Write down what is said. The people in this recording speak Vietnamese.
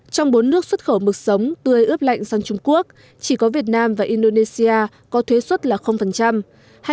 trong bốn nước xuất khẩu mực sống tươi ướp lạnh sang trung quốc chỉ có việt nam và indonesia có thuế xuất là